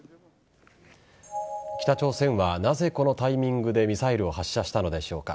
北朝鮮はなぜ、このタイミングでミサイルを発射したのでしょうか。